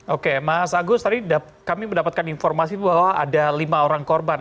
oke mas agus tadi kami mendapatkan informasi bahwa ada lima orang korban